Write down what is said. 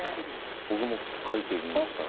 僕も描いてみました。